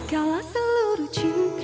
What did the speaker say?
kalau seluruh cinta bagiku